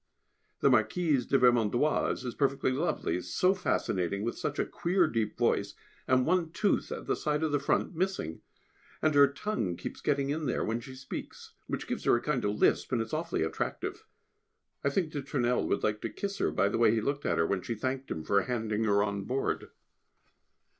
The Marquise de Vermondoise is perfectly lovely, so fascinating, with such a queer deep voice, and one tooth at the side of the front missing; and her tongue keeps getting in there when she speaks, which gives her a kind of lisp, and it is awfully attractive. I think de Tournelle would like to kiss her, by the way he looked at her when she thanked him for handing her on board.